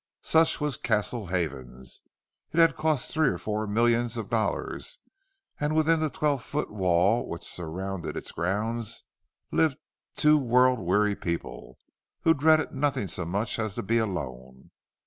Such was Castle Havens; it had cost three or four millions of dollars, and within the twelve foot wall which surrounded its grounds lived two world weary people who dreaded nothing so much as to be alone.